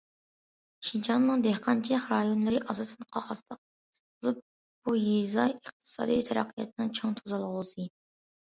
شىنجاڭنىڭ دېھقانچىلىق رايونلىرى ئاساسەن قاقاسلىق بولۇپ، بۇ يېزا ئىقتىسادىي تەرەققىياتىنىڭ چوڭ توسالغۇسى.